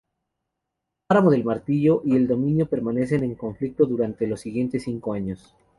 Páramo del Martillo y el Dominio permanecen en conflicto durante los siguientes cinco años.